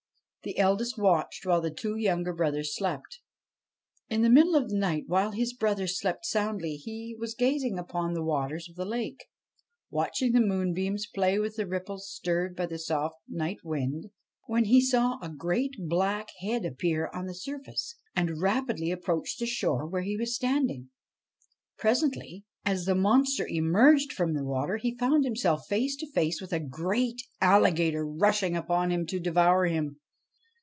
The eldest watched while the two younger brothers slept. In the middle of the night, while his brothers slept soundly, he was gazing upon the waters of the lake, watching the moonbeams play with the ripples stirred by the soft night wind, when he saw a great black head appear on the surface and rapidly approach the shore where he was standing. Presently, as the monster emerged from the water, he found himself face to face with a great alligator rushing upon him to devour him.